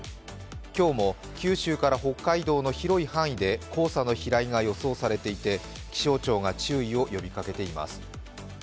今日も九州から北海道の広い範囲で黄砂の飛来が予想されていて気象庁が注意を呼びかけています。